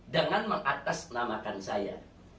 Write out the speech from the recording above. dengan mengatasnamakan saya